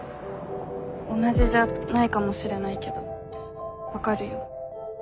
同じじゃないかもしれないけど分かるよ。